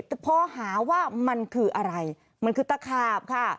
แต่พอหาว่ามันคืออะไรมันคือตะขาบค่ะ